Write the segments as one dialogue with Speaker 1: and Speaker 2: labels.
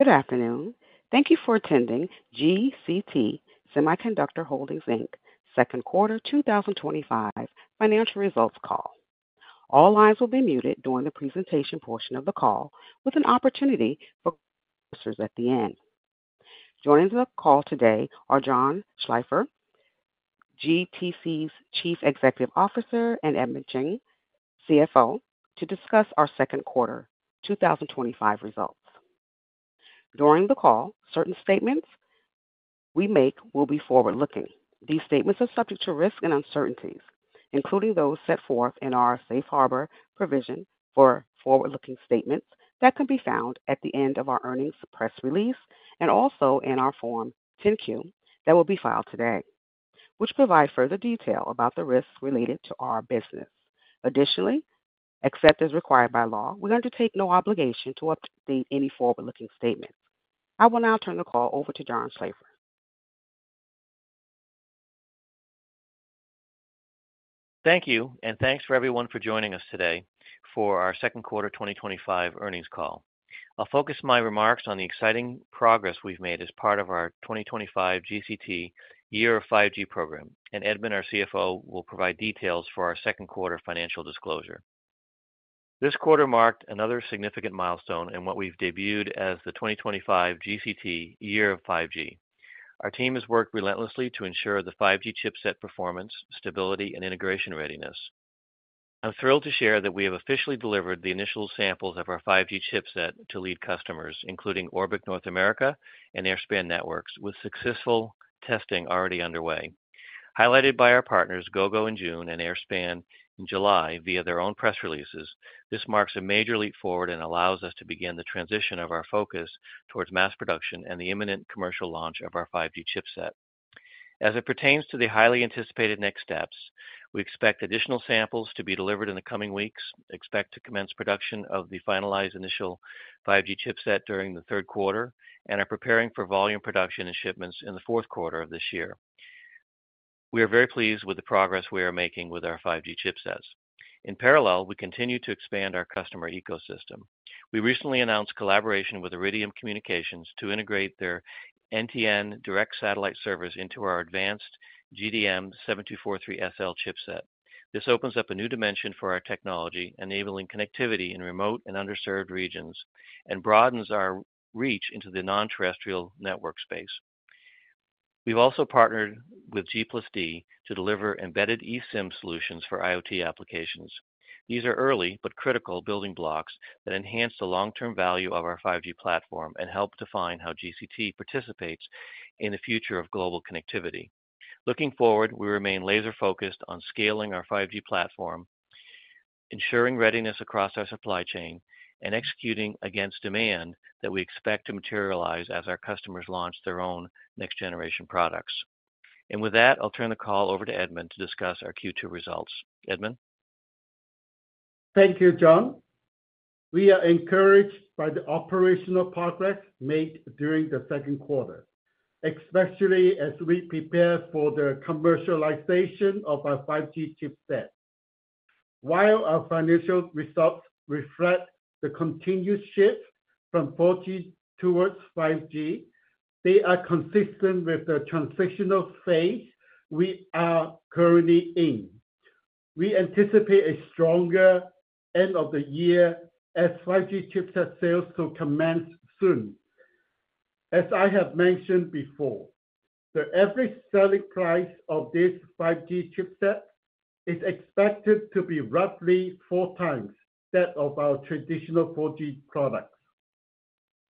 Speaker 1: Good afternoon. Thank you for attending GCT Semiconductor Holding Inc. Second Quarter 2025 Financial Results Call. All lines will be muted during the presentation portion of the call, with an opportunity for questions at the end. Joining the call today are John Schlaefer, GCT's Chief Executive Officer, and Edmond Cheng, Chief Financial Officer, to discuss our second quarter 2025 results. During the call, certain statements we make will be forward-looking. These statements are subject to risk and uncertainties, including those set forth in our Safe Harbor provision for forward-looking statements that can be found at the end of our earnings press release and also in our Form 10-Q that will be filed today, which provides further detail about the risks related to our business. Additionally, except as required by law, we undertake no obligation to update any forward-looking statements. I will now turn the call over to John Schlaefer.
Speaker 2: Thank you, and thanks everyone for joining us today for our second quarter 2025 earnings call. I'll focus my remarks on the exciting progress we've made as part of our 2025 GCT Year of 5G program, and Edmond, our CFO, will provide details for our second quarter financial disclosure. This quarter marked another significant milestone in what we've debuted as the 2025 GCT Year of 5G. Our team has worked relentlessly to ensure the 5G chipset performance, stability, and integration readiness. I'm thrilled to share that we have officially delivered the initial samples of our 5G chipset to lead customers, including Orbic North America and Airspan Networks, with successful testing already underway. Highlighted by our partners Gogo in June and Airspan Networks in July via their own press releases, this marks a major leap forward and allows us to begin the transition of our focus towards mass production and the imminent commercial launch of our 5G chipset. As it pertains to the highly anticipated next steps, we expect additional samples to be delivered in the coming weeks, expect to commence production of the finalized initial 5G chipset during the third quarter, and are preparing for volume production and shipments in the fourth quarter of this year. We are very pleased with the progress we are making with our 5G chipsets. In parallel, we continue to expand our customer ecosystem. We recently announced collaboration with Iridium Communications to integrate their NTN Direct Satellite Services into our advanced GDM7243SL chipset. This opens up a new dimension for our technology, enabling connectivity in remote and underserved regions, and broadens our reach into the non-terrestrial network space. We've also partnered with G+D to deliver embedded eSIM solutions for IoT applications. These are early but critical building blocks that enhance the long-term value of our 5G platform and help define how GCT participates in the future of global connectivity. Looking forward, we remain laser-focused on scaling our 5G platform, ensuring readiness across our supply chain, and executing against demand that we expect to materialize as our customers launch their own next-generation products. With that, I'll turn the call over to Edmond to discuss our Q2 results. Edmond?
Speaker 3: Thank you, John. We are encouraged by the operational progress made during the second quarter, especially as we prepare for the commercialization of our 5G chipset. While our financial results reflect the continued shift from 4G towards 5G, they are consistent with the transitional phase we are currently in. We anticipate a stronger end of the year as 5G chipset sales commence soon. As I have mentioned before, the average selling price of this 5G chipset is expected to be roughly 4x that of our traditional 4G products.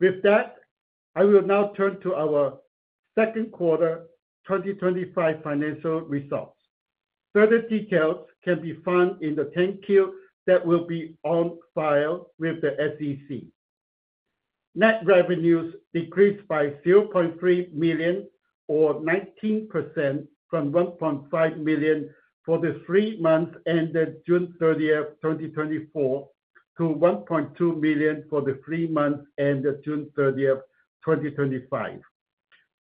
Speaker 3: With that, I will now turn to our second quarter 2025 financial results. Further details can be found in the 10-Q that will be on file with the SEC. Net revenues decreased by $0.3 million, or 19%, from $1.5 million for the three months ended June 30th, 2024, to $1.2 million for the three months ended June 30th, 2025.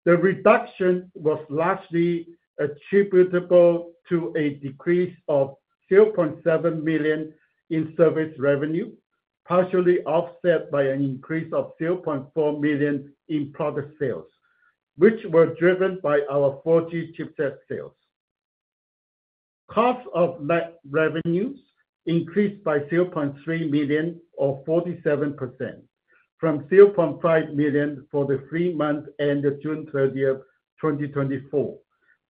Speaker 3: The reduction was largely attributable to a decrease of $0.7 million in service revenue, partially offset by an increase of $0.4 million in product sales, which were driven by our 4G chipset sales. Cost of net revenues increased by $0.3 million, or 47%, from $0.5 million for the three months ended June 30th, 2024,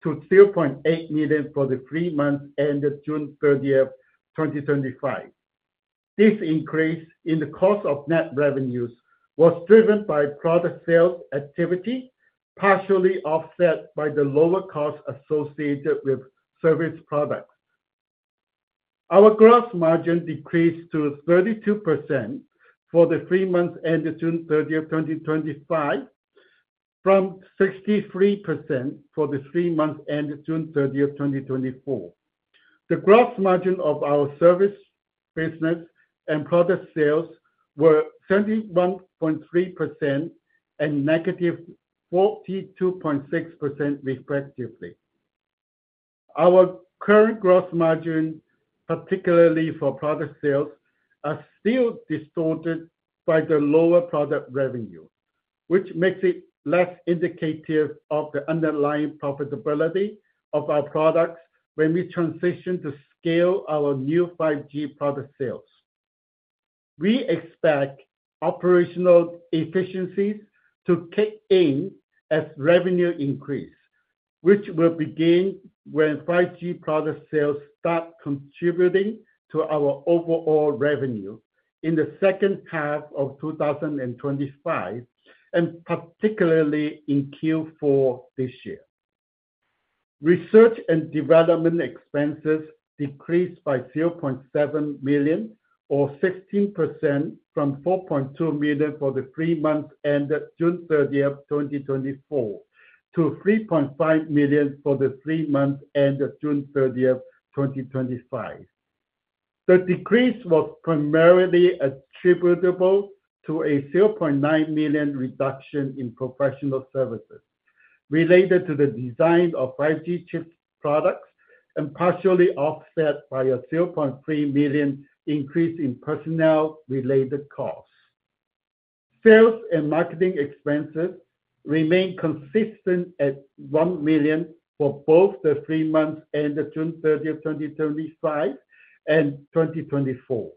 Speaker 3: to $0.8 million for the three months ended June 30th, 2025. This increase in the cost of net revenues was driven by product sales activity, partially offset by the lower cost associated with service products. Our gross margin decreased to 32% for the three months ended June 30th, 2025, from 63% for the three months ended June 30th, 2024. The gross margin of our service business and product sales was 71.3% and -42.6%, respectively. Our current gross margins, particularly for product sales, are still distorted by the lower product revenue, which makes it less indicative of the underlying profitability of our products when we transition to scale our new 5G product sales. We expect operational efficiencies to kick in as revenue increases, which will begin when 5G product sales start contributing to our overall revenue in the second half of 2025, and particularly in Q4 this year. Research and development expenses decreased by $0.7 million, or 16%, from $4.2 million for the three months ended June 30th, 2024, to $3.5 million for the three months ended June 30th, 2025. The decrease was primarily attributable to a $0.9 million reduction in professional services related to the design of 5G chip products and partially offset by a $0.3 million increase in personnel-related costs. Sales and marketing expenses remain consistent at $1 million for both the three months ended June 30, 2025 and 2024.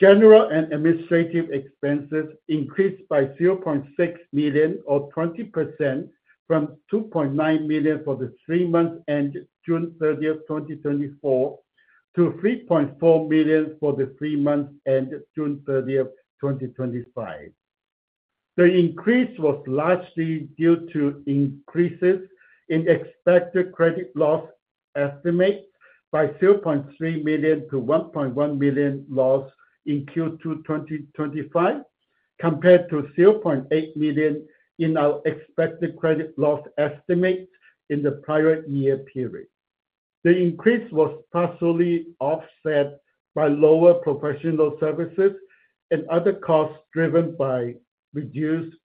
Speaker 3: General and administrative expenses increased by $0.6 million, or 20%, from $2.9 million for the three months ended June 30th, 2024, to $3.4 million for the three months ended June 30th, 2025. The increase was largely due to increases in expected credit loss estimates by $0.3 million - $1.1 million loss in Q2 2025, compared to $0.8 million in our expected credit loss estimates in the prior year period. The increase was partially offset by lower professional services and other costs driven by reduced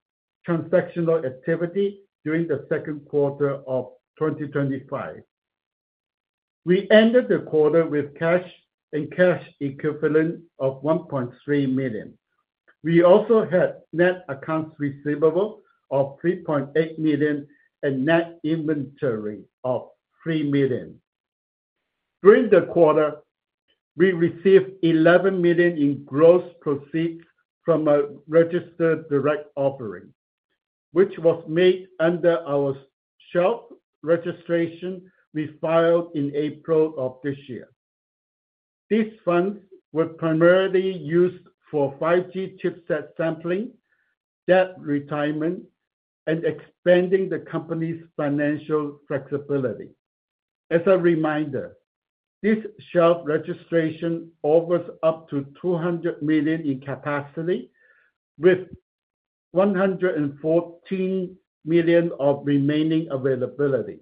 Speaker 3: transactional activity during the second quarter of 2025. We ended the quarter with cash and cash equivalent of $1.3 million. We also had net accounts receivable of $3.8 million and net inventory of $3 million. During the quarter, we received $11 million in gross proceeds from a registered direct offering, which was made under our shelf registration we filed in April of this year. These funds were primarily used for 5G chipset sampling, debt retirement, and expanding the company's financial flexibility. As a reminder, this shelf registration offers up to $200 million in capacity, with $114 million of remaining availability,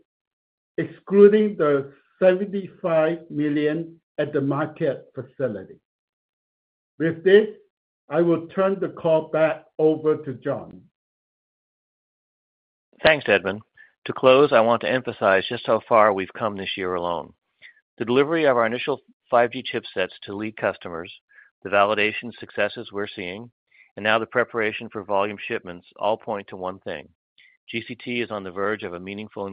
Speaker 3: excluding the $75 million at the market facility. With this, I will turn the call back over to John.
Speaker 2: Thanks, Edmond. To close, I want to emphasize just how far we've come this year alone. The delivery of our initial 5G chipsets to lead customers, the validation successes we're seeing, and now the preparation for volume shipments all point to one thing: GCT is on the verge of a meaningful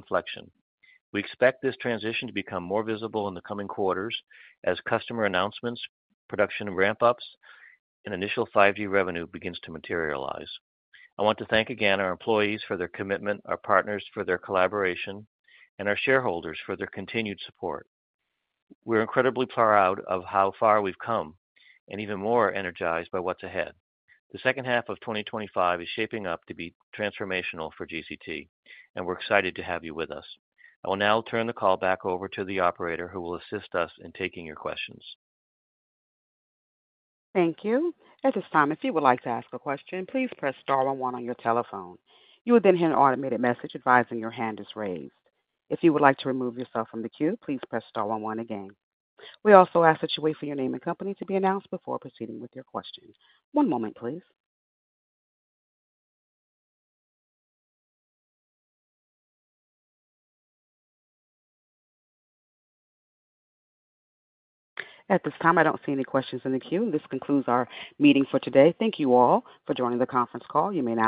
Speaker 2: inflection. We expect this transition to become more visible in the coming quarters as customer announcements, production ramp-ups, and initial 5G revenue begin to materialize. I want to thank again our employees for their commitment, our partners for their collaboration, and our shareholders for their continued support. We're incredibly proud of how far we've come and even more energized by what's ahead. The second half of 2025 is shaping up to be transformational for GCT, and we're excited to have you with us. I will now turn the call back over to the operator who will assist us in taking your questions.
Speaker 1: Thank you. At this time, if you would like to ask a question, please press star one-one on your telephone. You will then hear an automated message advising your hand is raised. If you would like to remove yourself from the queue, please press star one-one again. We also ask that you wait for your name and company to be announced before proceeding with your question. One moment, please. At this time, I don't see any questions in the queue. This concludes our meeting for today. Thank you all for joining the conference call. You may now.